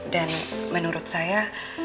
dan menurut saya